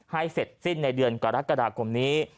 ให้เสร็จสิ้นในเดือนกรกฎาคมนี้